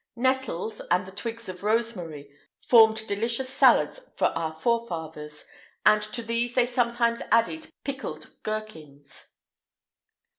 Nettles, and the twigs of rosemary, formed delicious salads for our forefathers; and to these they sometimes added pickled gherkins.